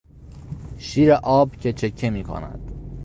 شیر آب که چکه میکند